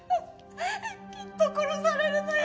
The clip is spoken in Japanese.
きっと殺されるのよ。